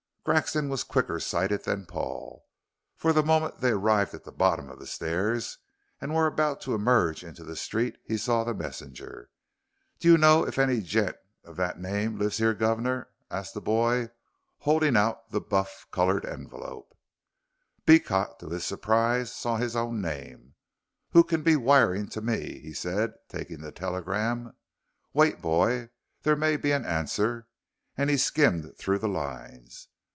Grexon was quicker sighted than Paul, for the moment they arrived at the bottom of the stairs and were about to emerge into the street he saw the messenger. "Do you know if any gent of that name lives here, guvnor?" asked the boy, holding out the buff colored envelope. Beecot, to his surprise, saw his own name. "Who can be wiring to me?" he said, taking the telegram. "Wait, boy, there may be an answer," and he skimmed through the lines.